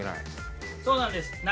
そうなんです。